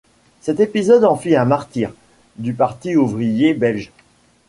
Cet épisode en fit un martyr du parti ouvrier belge.